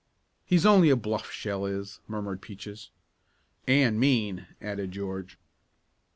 "He's only a bluff, Shell is!" murmured Peaches. "And mean," added George.